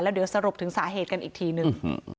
เดี๋ยวสรุปถึงสาเหตุกันอีกทีนึง